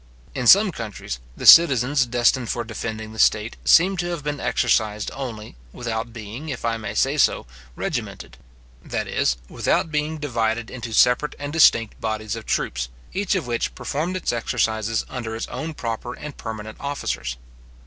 In some countries, the citizens destined for defending the state seem to have been exercised only, without being, if I may say so, regimented; that is, without being divided into separate and distinct bodies of troops, each of which performed its exercises under its own proper and permanent officers.